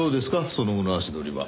その後の足取りは。